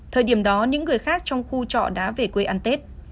thời điểm đó những người khác trong khu trọ đã về quê ăn tết